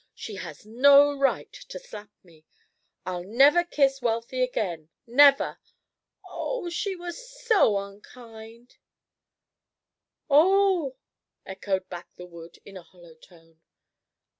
She has no right to slap me. I'll never kiss Wealthy again, never. O h, she was so unkind" "O h!" echoed back the wood in a hollow tone.